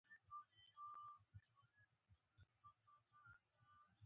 زه په افغانيستان کې يم.